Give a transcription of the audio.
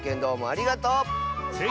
ありがとう！